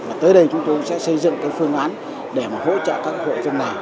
và tới đây chúng tôi sẽ xây dựng cái phương án để mà hỗ trợ các hội dân này